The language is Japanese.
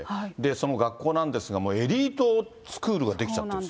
その学校なんですが、もうエリートスクールが出来ちゃってるんですね。